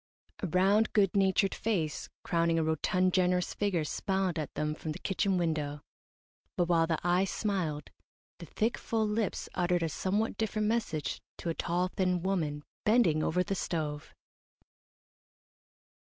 A round, good natured face, crowning a rotund, generous figure, smiled at them from the kitchen window, but while the eyes smiled, the thick, full lips uttered a somewhat different message to a tall, thin woman, bending over the stove.